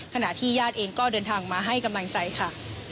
ขณะที่ญาติเองก็เดินทางมาให้กำลังใจค่ะ